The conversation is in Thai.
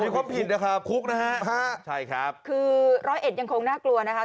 ค่ะคุกนะฮะใช่ครับคือร้อยเอ็ดยังคงน่ากลัวนะฮะ